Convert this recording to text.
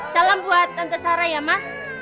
salam buat tante sarah ya mas